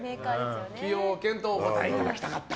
崎陽軒とお答えいただきたかった。